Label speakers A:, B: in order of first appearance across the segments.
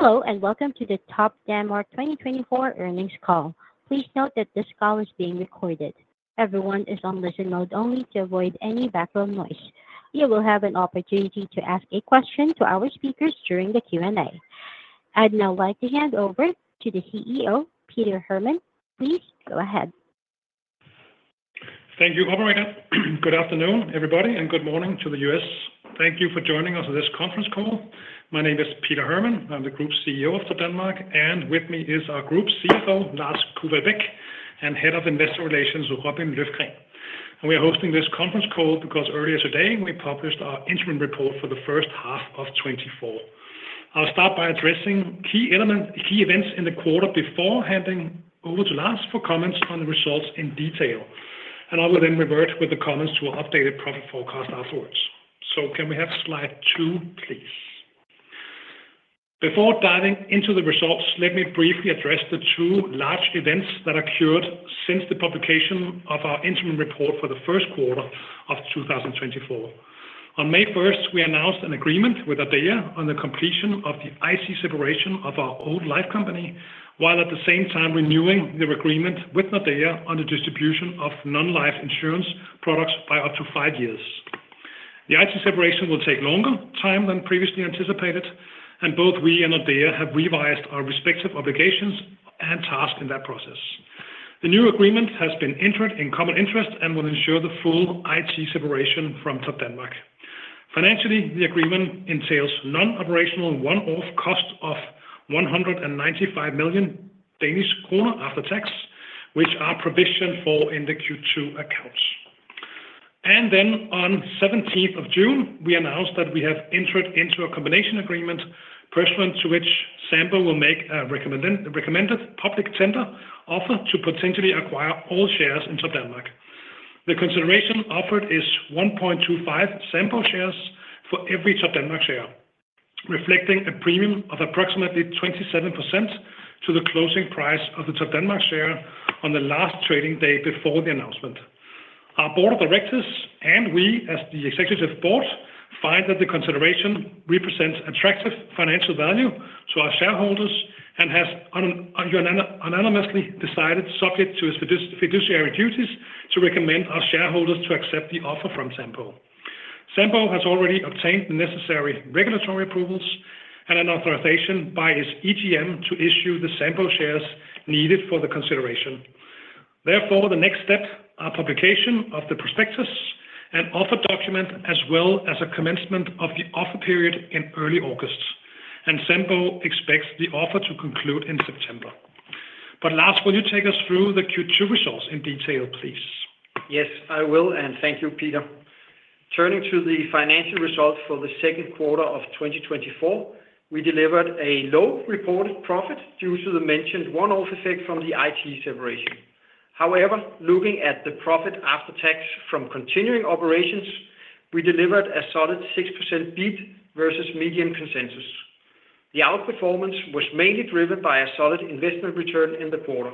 A: Hello, and welcome to the Topdanmark 2024 earnings call. Please note that this call is being recorded. Everyone is on listen mode only to avoid any background noise. You will have an opportunity to ask a question to our speakers during the Q&A. I'd now like to hand over to the CEO, Peter Hermann. Please go ahead.
B: Thank you, operator. Good afternoon, everybody, and good morning to the US. Thank you for joining us on this conference call. My name is Peter Hermann. I'm the Group CEO of Topdanmark, and with me is our Group CFO, Lars Kufall Beck, and Head of Investor Relations, Robin Løfgren. We are hosting this conference call because earlier today, we published our interim report for the first half of 2024. I'll start by addressing key events in the quarter before handing over to Lars for comments on the results in detail, and I will then revert with comments to an updated profit forecast afterwards. So can we have slide two, please? Before diving into the results, let me briefly address the two large events that occurred since the publication of our interim report for the first quarter of 2024. On May first, we announced an agreement with Nordea on the completion of the IT separation of our old life company, while at the same time renewing the agreement with Nordea on the distribution of non-life insurance products by up to five years. The IT separation will take longer time than previously anticipated, and both we and Nordea have revised our respective obligations and tasks in that process. The new agreement has been entered in common interest and will ensure the full IT separation from Topdanmark. Financially, the agreement entails non-operational one-off cost of 195 million Danish kroner after tax, which are provisioned for in the Q2 accounts. Then on seventeenth of June, we announced that we have entered into a combination agreement, pursuant to which Sampo will make a recommended public tender offer to potentially acquire all shares in Topdanmark. The consideration offered is 1.25 Sampo shares for every Topdanmark share, reflecting a premium of approximately 27% to the closing price of the Topdanmark share on the last trading day before the announcement. Our board of directors, and we as the executive board, find that the consideration represents attractive financial value to our shareholders and has unanimously decided, subject to his fiduciary duties, to recommend our shareholders to accept the offer from Sampo. Sampo has already obtained the necessary regulatory approvals and an authorization by its EGM to issue the Sampo shares needed for the consideration. Therefore, the next step, our publication of the prospectus and offer document, as well as a commencement of the offer period in early August, and Sampo expects the offer to conclude in September. But Lars, will you take us through the Q2 results in detail, please?
C: Yes, I will, and thank you, Peter. Turning to the financial results for the second quarter of 2024, we delivered a low reported profit due to the mentioned one-off effect from the IT separation. However, looking at the profit after tax from continuing operations, we delivered a solid 6% beat versus medium consensus. The outperformance was mainly driven by a solid investment return in the quarter.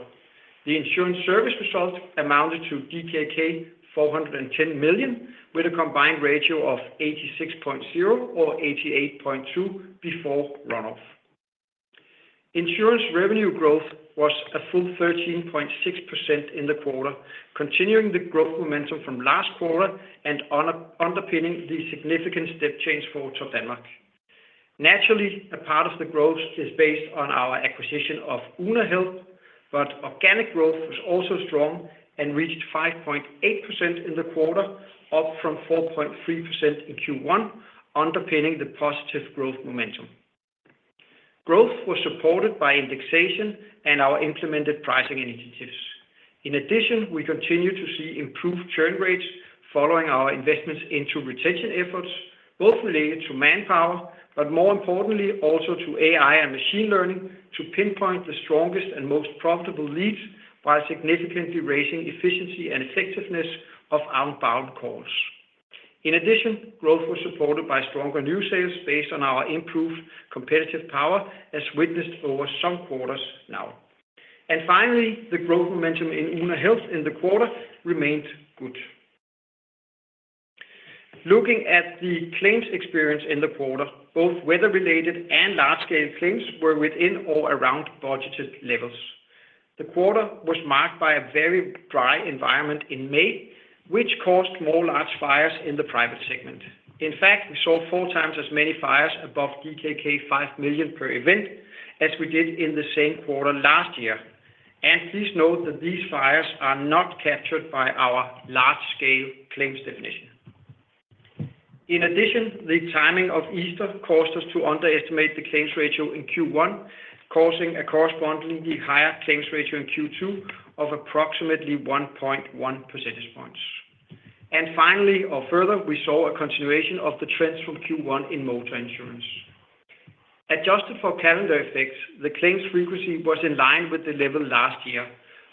C: The insurance service result amounted to DKK 410 million, with a combined ratio of 86.0 or 88.2 before run-off. Insurance revenue growth was a full 13.6% in the quarter, continuing the growth momentum from last quarter and underpinning the significant step change for Topdanmark. Naturally, a part of the growth is based on our acquisition of Oona Health, but organic growth was also strong and reached 5.8% in the quarter, up from 4.3% in Q1, underpinning the positive growth momentum. Growth was supported by indexation and our implemented pricing initiatives. In addition, we continue to see improved churn rates following our investments into retention efforts, both related to manpower, but more importantly, also to AI and machine learning, to pinpoint the strongest and most profitable leads by significantly raising efficiency and effectiveness of outbound calls. In addition, growth was supported by stronger new sales based on our improved competitive power, as witnessed over some quarters now. And finally, the growth momentum in Oona Health in the quarter remained good. Looking at the claims experience in the quarter, both weather-related and large-scale claims were within or around budgeted levels. The quarter was marked by a very dry environment in May, which caused more large fires in the private segment. In fact, we saw four times as many fires above DKK 5 million per event as we did in the same quarter last year. Please note that these fires are not captured by our large-scale claims definition. In addition, the timing of Easter caused us to underestimate the claims ratio in Q1, causing a correspondingly higher claims ratio in Q2 of approximately 1.1 percentage points. Finally, or further, we saw a continuation of the trends from Q1 in motor insurance. Adjusted for calendar effects, the claims frequency was in line with the level last year,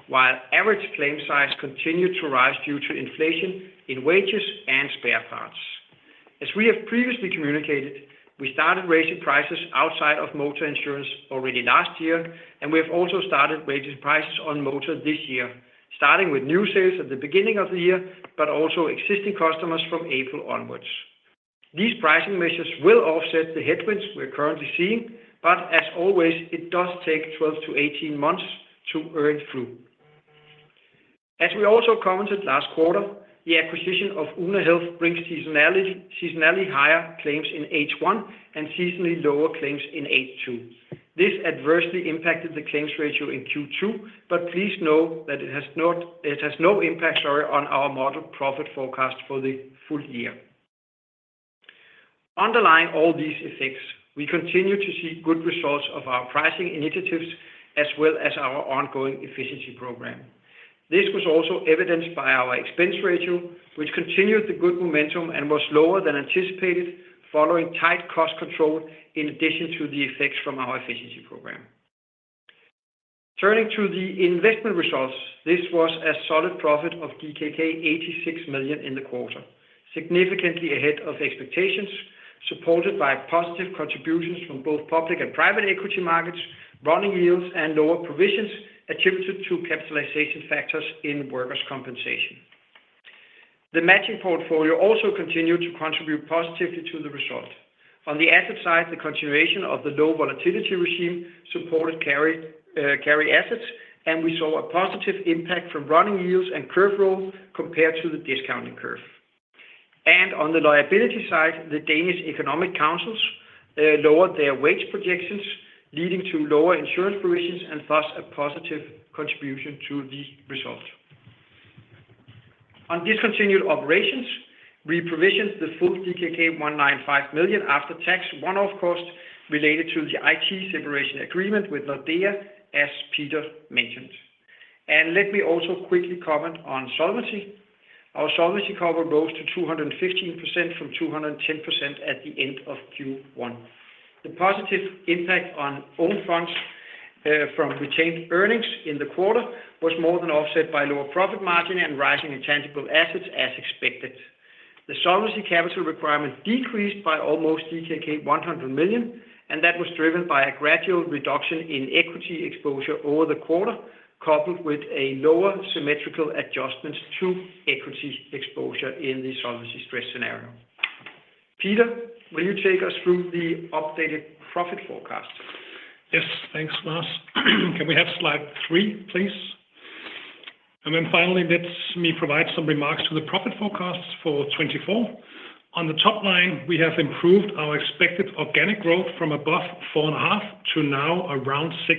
C: while average claim size continued to rise due to inflation in wages and spare parts. As we have previously communicated, we started raising prices outside of motor insurance already last year, and we have also started raising prices on motor this year, starting with new sales at the beginning of the year, but also existing customers from April onwards. These pricing measures will offset the headwinds we're currently seeing, but as always, it does take 12-18 months to earn through. As we also commented last quarter, the acquisition of Oona Health brings seasonality, seasonally higher claims in H1 and seasonally lower claims in H2. This adversely impacted the claims ratio in Q2, but please know that it has no impact, sorry, on our model profit forecast for the full year. Underlying all these effects, we continue to see good results of our pricing initiatives as well as our ongoing efficiency program. This was also evidenced by our expense ratio, which continued the good momentum and was lower than anticipated, following tight cost control in addition to the effects from our efficiency program. Turning to the investment results, this was a solid profit of DKK 86 million in the quarter, significantly ahead of expectations, supported by positive contributions from both public and private equity markets, running yields, and lower provisions attributed to capitalization factors in workers' compensation. The matching portfolio also continued to contribute positively to the result. On the asset side, the continuation of the low volatility regime supported carry, carry assets, and we saw a positive impact from running yields and curve roll compared to the discounting curve. On the liability side, the Danish Economic Councils lowered their wage projections, leading to lower insurance provisions and thus a positive contribution to the result. On discontinued operations, we provisioned the full DKK 195 million after tax one-off cost related to the IT separation agreement with Nordea, as Peter mentioned. Let me also quickly comment on solvency. Our solvency cover rose to 215% from 210% at the end of Q1. The positive impact on own funds from retained earnings in the quarter was more than offset by lower profit margin and rising intangible assets as expected. The solvency capital requirement decreased by almost DKK 100 million, and that was driven by a gradual reduction in equity exposure over the quarter, coupled with a lower symmetrical adjustment to equity exposure in the solvency stress scenario. Peter, will you take us through the updated profit forecast?
B: Yes, thanks, Lars. Can we have slide three, please? Then finally, let me provide some remarks to the profit forecast for 2024. On the top line, we have improved our expected organic growth from above 4.5 to now around 6%.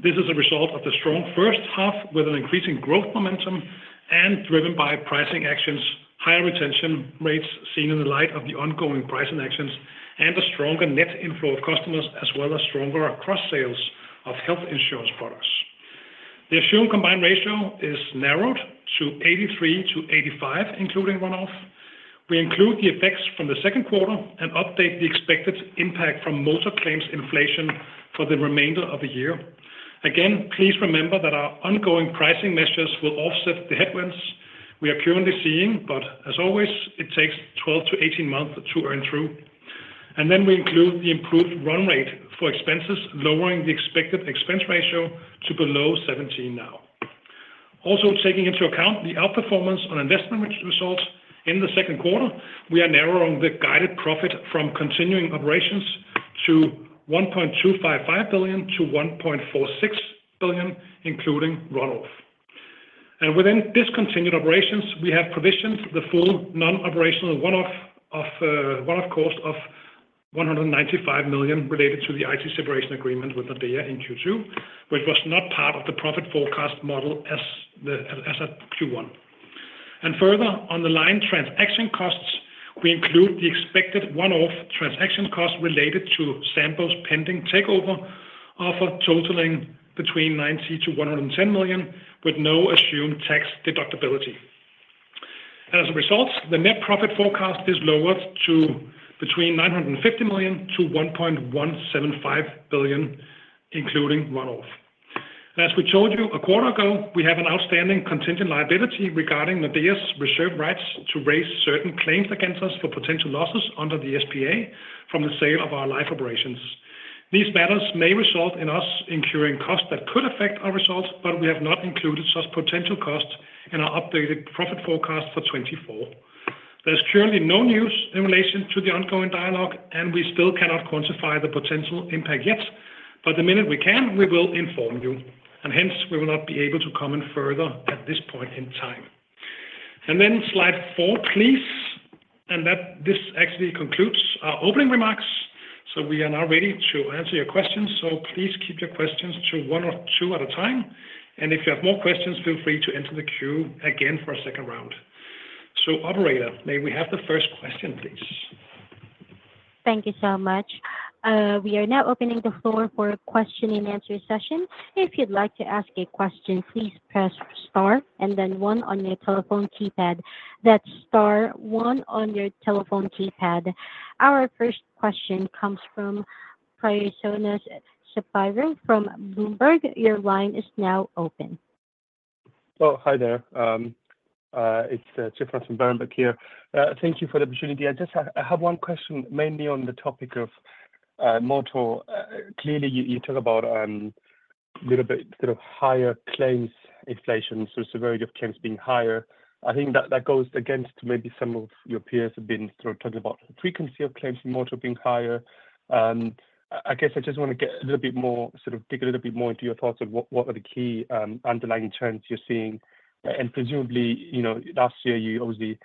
B: This is a result of the strong first half, with an increasing growth momentum and driven by pricing actions, higher retention rates seen in the light of the ongoing pricing actions, and a stronger net inflow of customers, as well as stronger cross-sales of health insurance products. The assumed combined ratio is narrowed to 83-85, including one-off. We include the effects from the second quarter and update the expected impact from motor claims inflation for the remainder of the year. Again, please remember that our ongoing pricing measures will offset the headwinds we are currently seeing, but as always, it takes 12-18 months to earn through. And then we include the improved run rate for expenses, lowering the expected expense ratio to below 17% now. Also, taking into account the outperformance on investment results in the second quarter, we are narrowing the guided profit from continuing operations to 1.25 billion-1.46 billion, including run-off. And within discontinued operations, we have provisioned the full non-operational one-off of one-off cost of 195 million related to the IT separation agreement with Nordea in Q2, which was not part of the profit forecast model as at Q1. Further, on the line transaction costs, we include the expected one-off transaction costs related to Sampo's pending takeover offer totaling between 90 million-110 million, with no assumed tax deductibility. As a result, the net profit forecast is lowered to between 950 million-1.175 billion, including one-off. As we told you a quarter ago, we have an outstanding contingent liability regarding Nordea's reserved rights to raise certain claims against us for potential losses under the SPA from the sale of our life operations. These matters may result in us incurring costs that could affect our results, but we have not included such potential costs in our updated profit forecast for 2024. There's currently no news in relation to the ongoing dialogue, and we still cannot quantify the potential impact yet, but the minute we can, we will inform you, and hence, we will not be able to comment further at this point in time. And then slide four, please. And that—this actually concludes our opening remarks, so we are now ready to answer your questions. So please keep your questions to one or two at a time, and if you have more questions, feel free to enter the queue again for a second round. So Operator, may we have the first question, please?
A: Thank you so much. We are now opening the floor for a question and answer session. If you'd like to ask a question, please press star and then one on your telephone keypad. That's star one on your telephone keypad. Our first question comes from Tryfonas Spyrou from Berenberg. Your line is now open.
D: Oh, hi there. It's Tryfonas from Berenberg here. Thank you for the opportunity. I just have one question, mainly on the topic of motor. Clearly, you talk about little bit sort of higher claims inflation, so severity of claims being higher. I think that goes against maybe some of your peers have been sort of talking about frequency of claims in motor being higher. I guess I just want to get a little bit more, sort of dig a little bit more into your thoughts on what are the key underlying trends you're seeing. And presumably, you know, last year, you obviously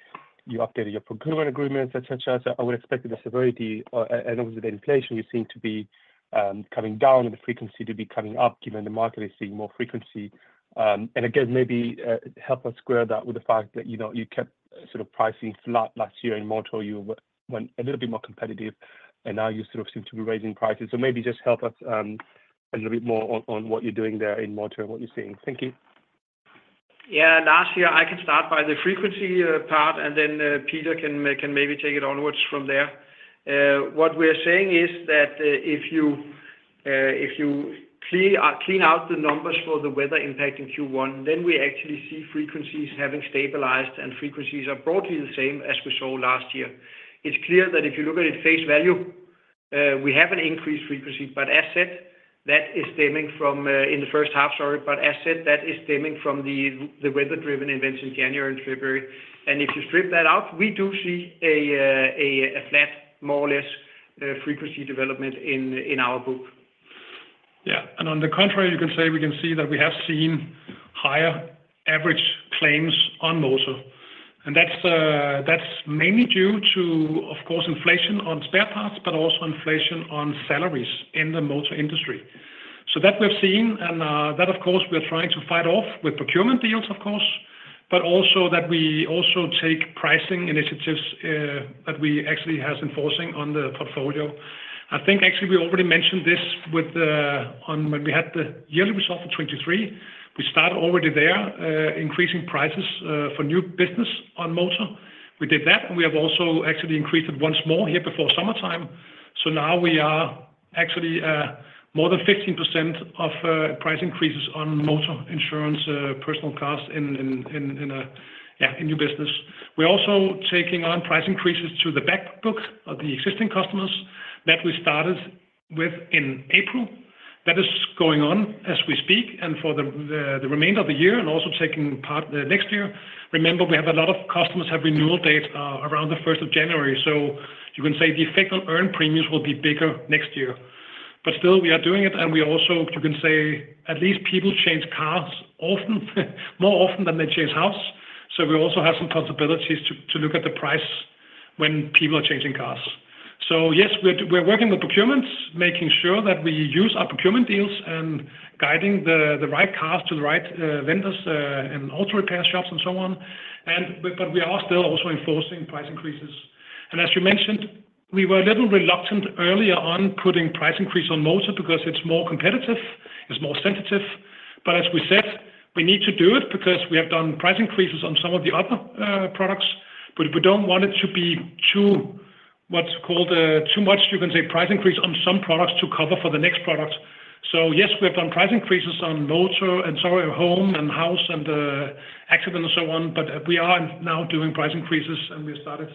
D: updated your procurement agreements, et cetera. So I would expect that the severity and obviously the inflation you seem to be coming down and the frequency to be coming up, given the market is seeing more frequency. And again, maybe help us square that with the fact that, you know, you kept sort of pricing flat last year in motor. You went a little bit more competitive, and now you sort of seem to be raising prices. So maybe just help us a little bit more on what you're doing there in motor and what you're seeing. Thank you.
C: Yeah, last year, I can start by the frequency part, and then Peter can maybe take it onwards from there. What we are saying is that if you clean out the numbers for the weather impact in Q1, then we actually see frequencies having stabilized, and frequencies are broadly the same as we saw last year. It's clear that if you look at it face value, we have an increased frequency, but as said, that is stemming from in the first half, sorry, but as said, that is stemming from the weather-driven events in January and February. And if you strip that out, we do see a flat, more or less, frequency development in our book.
B: Yeah. On the contrary, you can say we can see that we have seen higher average claims on motor, and that's mainly due to, of course, inflation on spare parts, but also inflation on salaries in the motor industry. So that we've seen and that, of course, we're trying to fight off with procurement deals, of course, but also that we also take pricing initiatives that we actually has enforcing on the portfolio. I think actually we already mentioned this with the on when we had the yearly result for 2023. We start already there increasing prices for new business on motor. We did that, and we have also actually increased it once more here before summertime. So now we are actually more than 15% price increases on motor insurance, personal cars in, yeah, in new business. We're also taking on price increases to the back book of the existing customers that we started with in April. That is going on as we speak and for the remainder of the year and also taking part next year. Remember, we have a lot of customers have renewal dates around the first of January, so you can say the effect on earned premiums will be bigger next year. But still we are doing it, and we also, you can say, at least people change cars often, more often than they change house. So we also have some possibilities to look at the price when people are changing cars. So yes, we're working with procurements, making sure that we use our procurement deals and guiding the right cars to the right vendors and auto repair shops and so on. But we are still also enforcing price increases. And as you mentioned, we were a little reluctant earlier on putting price increase on motor because it's more competitive, it's more sensitive. But as we said, we need to do it because we have done price increases on some of the other products. But we don't want it to be too much, you can say, price increase on some products to cover for the next product. So yes, we have done price increases on motor and sorry, home and house and, accident and so on, but we are now doing price increases, and we started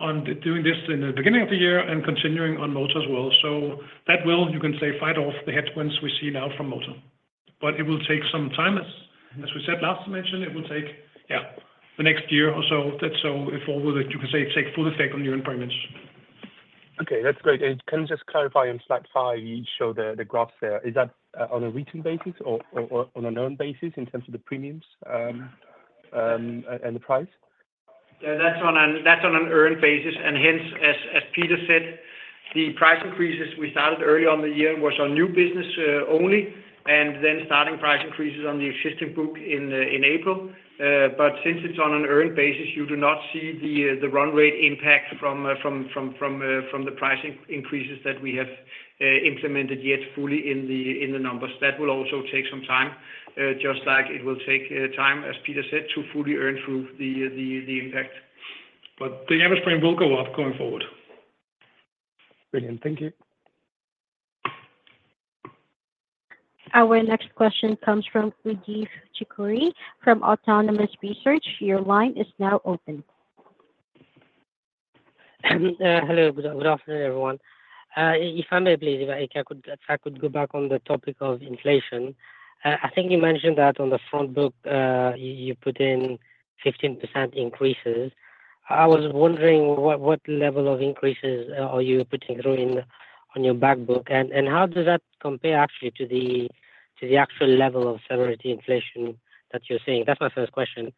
B: on doing this in the beginning of the year and continuing on motor as well. So that will, you can say, fight off the headwinds we see now from motor. But it will take some time, as we said last mention, it will take, yeah, the next year or so, that so before you can say take full effect on your end premiums.
D: Okay, that's great. And can you just clarify on slide five? You show the graphs there. Is that on a recent basis or on an earned basis in terms of the premiums and the price?
C: Yeah, that's on an earned basis. And hence, as Peter said, the price increases we started early on the year was on new business only, and then starting price increases on the existing book in April. But since it's on an earned basis, you do not see the run rate impact from the pricing increases that we have implemented yet fully in the numbers. That will also take some time, just like it will take time, as Peter said, to fully earn through the impact.
B: But the average frame will go up going forward.
D: Brilliant. Thank you.
A: Our next question comes from Youdish Chicooree from Autonomous Research. Your line is now open.
E: Hello. Good afternoon, everyone. If I may please, if I could go back on the topic of inflation. I think you mentioned that on the front book, you put in 15% increases. I was wondering what level of increases are you putting through on your back book? And how does that compare actually to the actual level of severity inflation that you're seeing? That's my first question.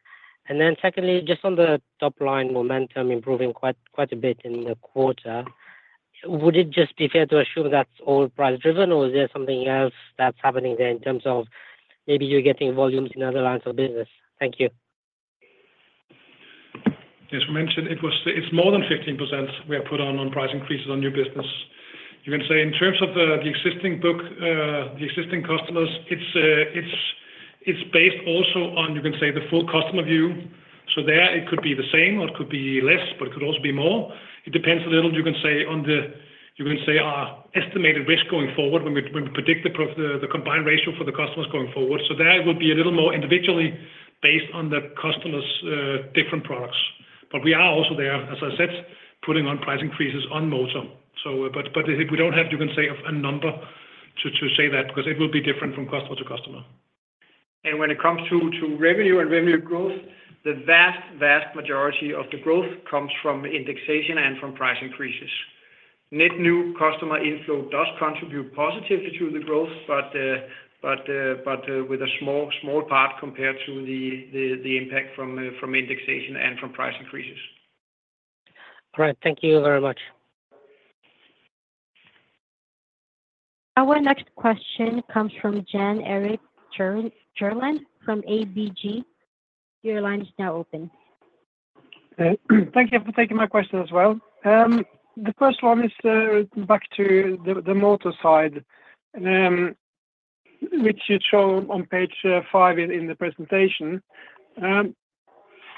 E: And then secondly, just on the top line momentum improving quite a bit in the quarter, would it just be fair to assume that's all price driven, or is there something else that's happening there in terms of maybe you're getting volumes in other lines of business? Thank you.
B: As we mentioned, it's more than 15% we have put on price increases on new business. You can say in terms of the existing book, the existing customers, it's based also on, you can say, the full customer view. So there it could be the same, or it could be less, but it could also be more. It depends a little, you can say, on our estimated risk going forward when we predict the combined ratio for the customers going forward. So that will be a little more individually based on the customer's different products. But we are also there, as I said, putting on price increases on motor. So, but if we don't have, you can say, a number to say that, because it will be different from customer to customer.
C: When it comes to, to revenue and revenue growth, the vast, vast majority of the growth comes from indexation and from price increases. Net new customer inflow does contribute positively to the growth, but, but, but, with a small, small part compared to the, the, the impact from, from indexation and from price increases.
E: All right. Thank you very much.
A: Our next question comes from Jan Erik Gjerland from ABG. Your line is now open.
F: Thank you for taking my question as well. The first one is back to the motor side, which you show on page five in the presentation.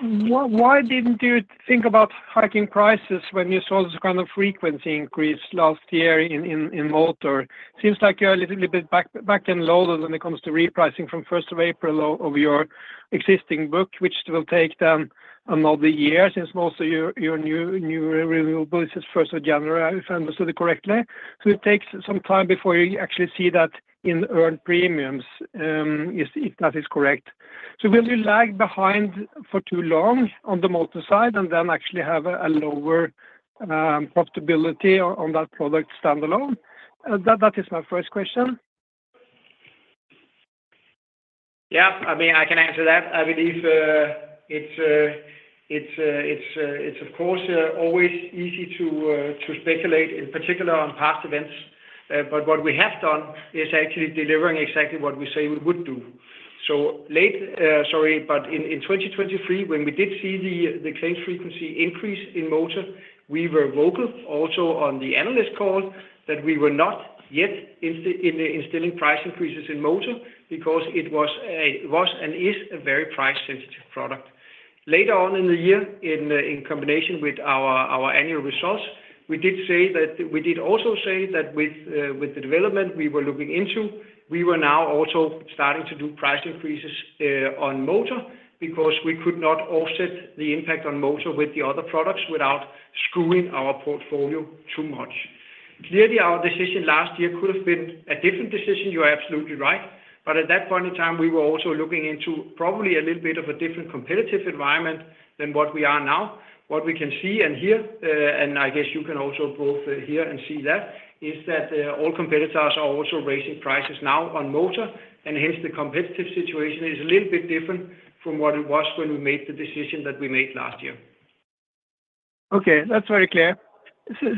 F: Why didn't you think about hiking prices when you saw this kind of frequency increase last year in motor? Seems like you're a little bit back-loaded when it comes to repricing from first of April of your existing book, which will take them another year, since most of your new renewables is first of January, if I understood it correctly. So it takes some time before you actually see that in earned premiums, if that is correct. So will you lag behind for too long on the motor side and then actually have a lower profitability on that product standalone? That is my first question.
C: Yeah, I mean, I can answer that. I believe it's of course always easy to speculate, in particular on past events. But what we have done is actually delivering exactly what we say we would do. So late in 2023, when we did see the claim frequency increase in motor, we were vocal also on the analyst call, that we were not yet instilling price increases in motor because it was a, it was and is a very price sensitive product. Later on in the year, in combination with our annual results, we did say that... We did also say that with the development we were looking into, we were now also starting to do price increases on motor because we could not offset the impact on motor with the other products without screwing our portfolio too much. Clearly, our decision last year could have been a different decision, you are absolutely right. But at that point in time, we were also looking into probably a little bit of a different competitive environment than what we are now. What we can see and hear, and I guess you can also both hear and see that, is that all competitors are also raising prices now on motor, and hence, the competitive situation is a little bit different from what it was when we made the decision that we made last year.
F: Okay, that's very clear.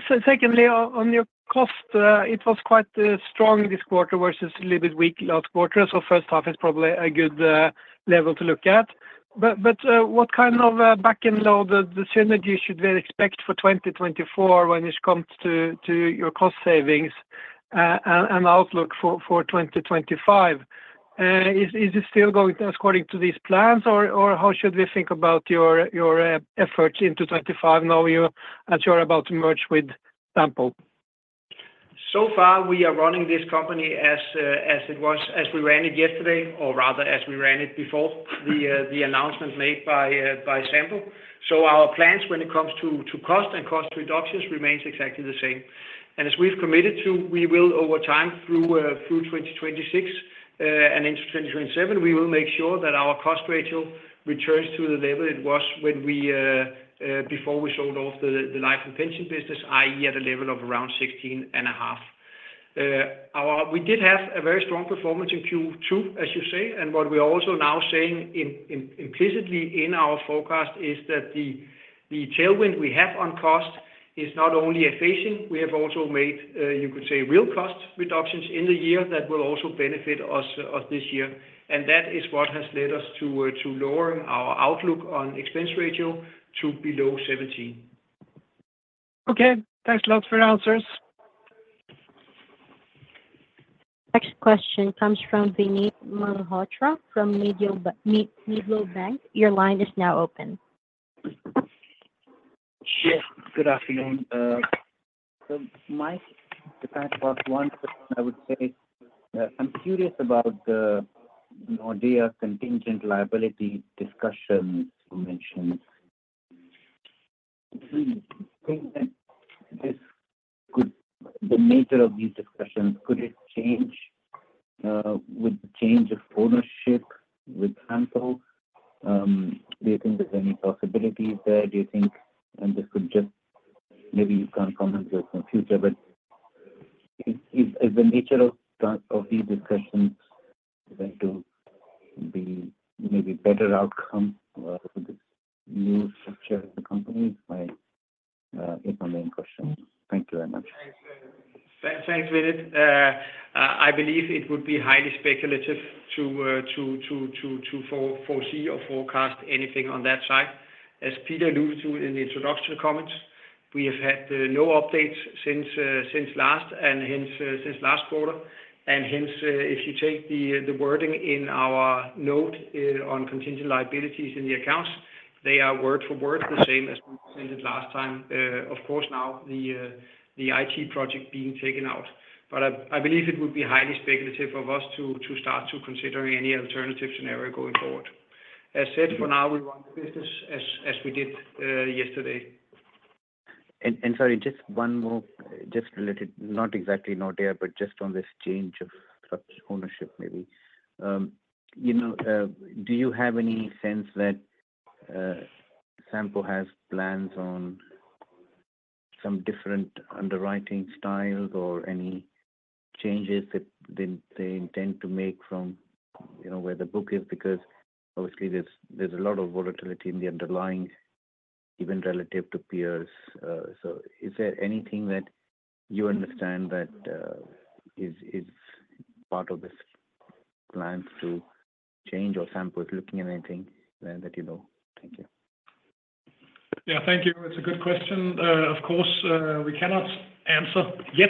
F: So secondly, on your cost, it was quite strong this quarter versus a little bit weak last quarter. So first half is probably a good level to look at. But what kind of back-loaded synergy should we expect for 2024 when it comes to your cost savings, and outlook for 2025? Is it still going according to these plans, or how should we think about your efforts into 2025 now, as you're about to merge with Sampo?
C: So far, we are running this company as, as it was, as we ran it yesterday, or rather, as we ran it before the, the announcement made by, by Sampo. So our plans when it comes to, to cost and cost reductions remains exactly the same. And as we've committed to, we will over time, through, through 2026, and into 2027, we will make sure that our cost ratio returns to the level it was when we, before we sold off the, the life and pension business, i.e., at a level of around 16.5. We did have a very strong performance in Q2, as you say, and what we are also now saying implicitly in our forecast is that the tailwind we have on cost is not only abating, we have also made, you could say, real cost reductions in the year that will also benefit us this year. And that is what has led us to lowering our outlook on expense ratio to below 17%.
F: Okay. Thanks a lot for your answers.
A: Next question comes from Vinit Malhotra from Mediobanca. Your line is now open.
G: Yes, good afternoon. So my—if I ask one question, I would say, I'm curious about the, you know, idea of contingent liability discussions you mentioned. Do you think that this could—the nature of these discussions, could it change with the change of ownership with Sampo? Do you think there's any possibilities there? Do you think, and this could just—maybe you can't comment on future, but is, is the nature of con—of these discussions going to be maybe better outcome with the new structure of the company? My, is my main question. Thank you very much.
C: Thanks, thanks, Vinit. I believe it would be highly speculative to foresee or forecast anything on that side. As Peter alluded to in the introductory comments, we have had no updates since last quarter. Hence, if you take the wording in our note on contingent liabilities in the accounts, they are word for word the same as we said it last time. Of course, now the IT project being taken out. But I believe it would be highly speculative of us to start to considering any alternative scenario going forward. As said, for now, we run the business as we did yesterday.
G: Sorry, just one more, just related, not exactly Nordea, but just on this change of club ownership, maybe. You know, do you have any sense that Sampo has plans on some different underwriting styles or any changes that they intend to make from, you know, where the book is? Because obviously, there's a lot of volatility in the underlying, even relative to peers. So is there anything that you understand that is part of this plan to change, or Sampo is looking at anything that you know? Thank you.
B: Yeah, thank you. It's a good question. Of course, we cannot answer yet,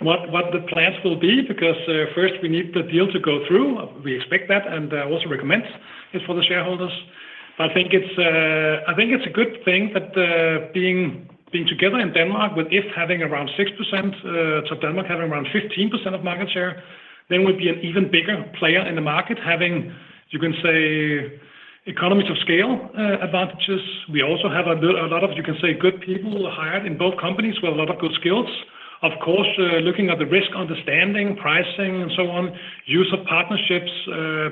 B: what the plans will be, because first we need the deal to go through. We expect that, and also recommend it for the shareholders. I think it's a good thing that, being together in Denmark, with If having around 6%, Topdanmark having around 15% of market share, then we'd be an even bigger player in the market, having, you can say, economies of scale advantages. We also have a but a lot of, you can say, good people hired in both companies with a lot of good skills. Of course, looking at the risk, understanding, pricing, and so on, use of partnerships,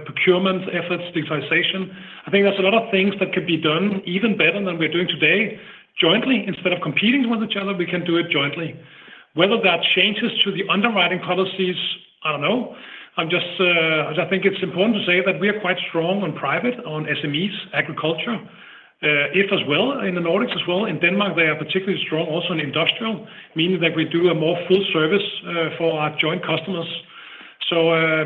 B: procurement efforts, digitization. I think there's a lot of things that could be done even better than we're doing today, jointly. Instead of competing with each other, we can do it jointly. Whether that changes to the underwriting policies, I don't know. I'm just, I think it's important to say that we are quite strong on private, on SMEs, agriculture, If as well, in the Nordics as well. In Denmark, they are particularly strong, also in industrial, meaning that we do a more full service, for our joint customers. So,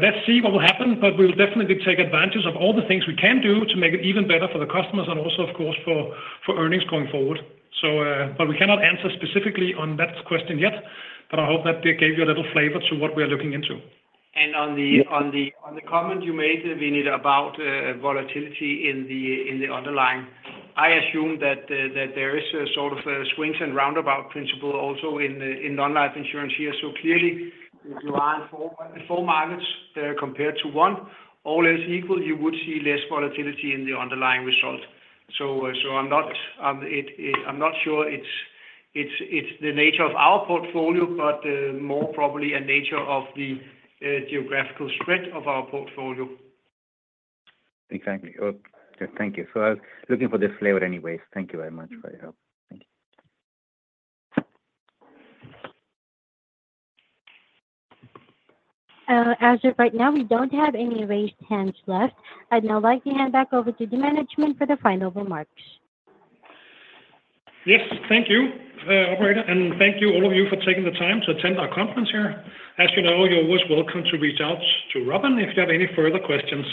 B: let's see what will happen, but we'll definitely take advantage of all the things we can do to make it even better for the customers and also, of course, for, for earnings going forward. So, but we cannot answer specifically on that question yet, but I hope that it gave you a little flavor to what we are looking into.
C: And on the-
G: Yeah.
C: On the comment you made, Vinit, about volatility in the underlying. I assume that there is a sort of swings and roundabout principle also in non-life insurance here. So clearly, if you are in four markets compared to one, all else equal, you would see less volatility in the underlying result. So I'm not sure it's the nature of our portfolio, but more probably a nature of the geographical spread of our portfolio.
G: Exactly. Well, thank you. So I was looking for this flavor anyways. Thank you very much for your help. Thank you.
A: As of right now, we don't have any raised hands left. I'd now like to hand back over to the management for the final remarks.
B: Yes. Thank you, operator, and thank you, all of you, for taking the time to attend our conference here. As you know, you're always welcome to reach out to Robin if you have any further questions.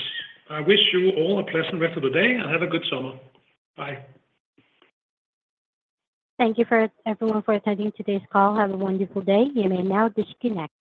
B: I wish you all a pleasant rest of the day, and have a good summer. Bye.
A: Thank you for everyone, for attending today's call. Have a wonderful day. You may now disconnect.